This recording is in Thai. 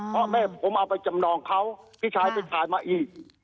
เพราะแม่ผมเอาไปจำนองเขาพี่ชายไปถ่ายมาอีก